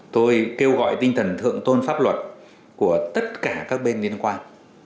tôi kêu gọi tinh thần thượng tôn pháp luật của tất cả các bên liên quan